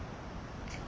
えっ。